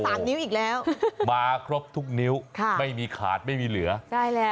สามนิ้วอีกแล้วมาครบทุกนิ้วค่ะไม่มีขาดไม่มีเหลือใช่แล้ว